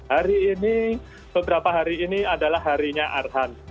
hari ini beberapa hari ini adalah harinya arhan